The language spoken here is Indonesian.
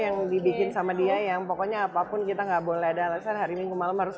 yang dibikin sama dia yang pokoknya apapun kita nggak boleh ada alasan hari minggu malam harus